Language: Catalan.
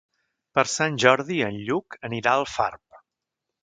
Per Sant Jordi en Lluc anirà a Alfarb.